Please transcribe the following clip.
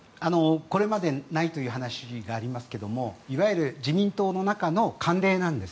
これまでないという話がありますがいわゆる自民党の中の慣例なんです。